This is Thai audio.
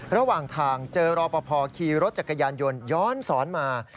ระหว่างทางเจอรอปภขี่รถจักรยานยนต์ย้อนสอนมา